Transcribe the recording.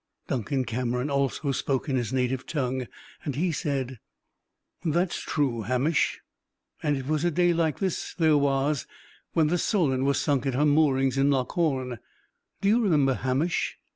Duncan Cameron also spoke in his native tongue, and he said: "That is true, Hamish. And it was a day like this there was when the Solan was sunk at her moorings in Loch Hourn. Do you remember, Hamish?